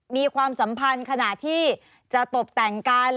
ความสัมพันธ์ขณะที่จะตบแต่งกัน